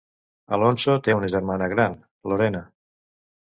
Alonso té una germana gran, Lorena.